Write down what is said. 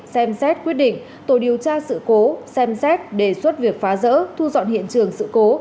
xem xét quyết định tổ điều tra sự cố xem xét đề xuất việc phá rỡ thu dọn hiện trường sự cố